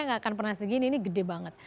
nggak akan pernah segini ini gede banget